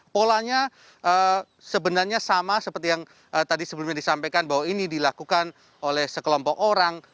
polanya sebenarnya sama seperti yang tadi sebelumnya disampaikan bahwa ini dilakukan oleh sekelompok orang